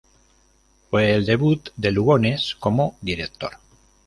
Fue el debut de Lugones como director.